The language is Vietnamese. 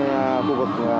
năm nay là cái việc